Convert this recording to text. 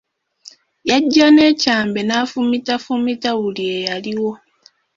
Yajja n'ekyambe n'afumitafumita buli eyaliwo.